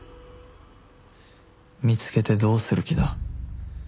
見つけてどうする気だ？